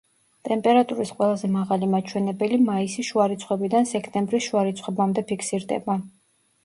ტემპერატურის ყველაზე მაღალი მაჩვენებელი მაისი შუა რიცხვებიდან სექტემბრის შუა რიცხვებამდე ფიქსირდება.